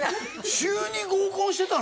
週２合コンしてたの？